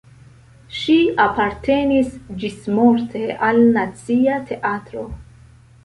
Ŝi apartenis ĝismorte al Nacia Teatro.